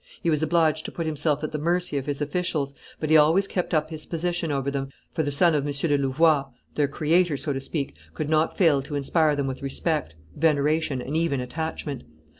He was obliged to put himself at the mercy of his officials, but he always kept up his position over them, for the son of M. de Louvois, their creator, so to speak, could not fail to inspire them with respect, veneration, and even attachment.